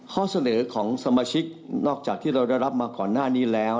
ข้อเสนอของสมาชิกนอกจากที่เราได้รับมาก่อนหน้านี้แล้ว